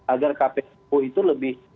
agar kppu itu lebih